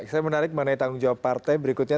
saya menarik mengenai tanggung jawab partai berikutnya